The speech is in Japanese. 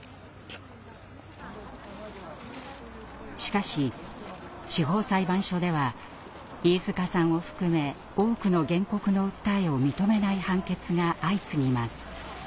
しかし地方裁判所では飯塚さんを含め多くの原告の訴えを認めない判決が相次ぎます。